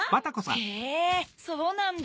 へぇそうなんだ。